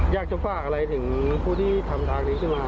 อยากจะฝากอะไรถึงผู้ที่ทำทางนี้ขึ้นมา